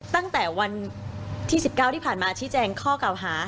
ตั้งแต่วันที่๑๙ที่ผ่านมาชี้แจงข้อเก่าหา